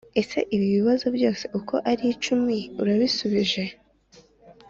ese ibi bibazo byose uko ari icumi urabisubije ?